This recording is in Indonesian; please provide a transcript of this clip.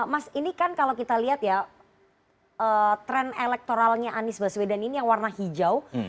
mas ini kan kalau kita lihat ya tren elektoralnya anies baswedan ini yang warna hijau